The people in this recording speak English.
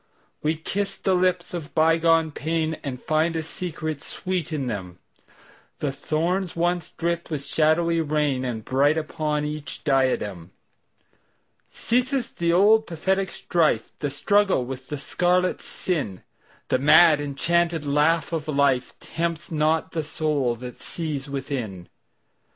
We kiss the lips of bygone painAnd find a secret sweet in them:The thorns once dripped with shadowy rainAre bright upon each diadem. Ceases the old pathetic strife, The struggle with the scarlet sin:The mad enchanted laugh of lifeTempts not the soul that sees within.